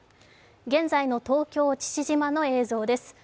現在の東京・父島の映像です。